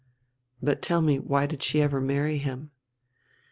"But tell me, why did she ever marry him?"